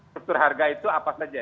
struktur harga itu apa saja